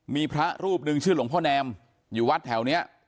มีพระรูปหนึ่งชื่อหลวงพ่อแนมอยู่วัดแถวนี้